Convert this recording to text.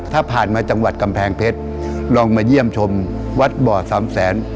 ถ้าผ่านมาจังหวัดกำแพงเพชรลองมาเยี่ยมชมวัดบ่อสามแสน